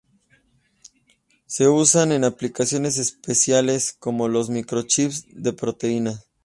Se usan en aplicaciones especiales como los microchips de proteínas.